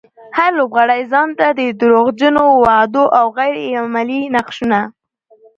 هر لوبغاړی ځانته د دروغجنو وعدو او غير عملي نقشونه.